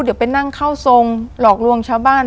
เดี๋ยวไปนั่งเข้าทรงหลอกลวงชาวบ้าน